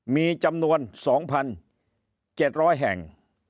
มีจำนวน๒๗๐๐แห่ง